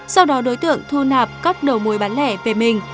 sau đó đối tượng thu nạp các đồ muối bán lẻ về mình